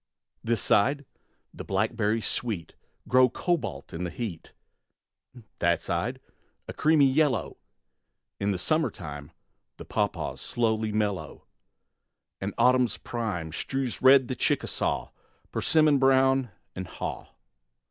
This side, blackberries sweet Glow cobalt in the heat; That side, a creamy yellow, In summertime The pawpaws slowly mellow; And autumn's prime Strews red the Chickasaw, Persimmon brown and haw.